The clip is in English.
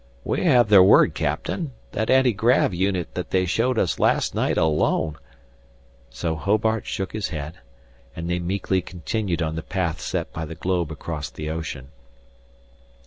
"We have their word, Captain. That anti grav unit that they showed us last night alone " So Hobart shook his head, and they meekly continued on the path set by the globe across the ocean.